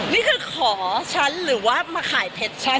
นี่คือขอฉันหรือว่ามาขายเพชรฉัน